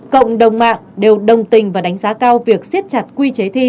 cộng đồng mạng đều đồng tình và đánh giá cao việc siết chặt quy chế thi